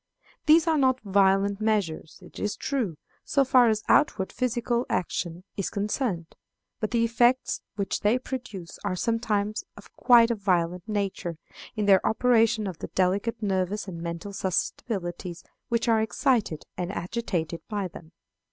These are not violent measures, it is true, so far as outward physical action is concerned; but the effects which they produce are sometimes of quite a violent nature, in their operation on the delicate nervous and mental susceptibilities which are excited and agitated by them.